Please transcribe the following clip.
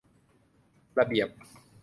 ระเบียบ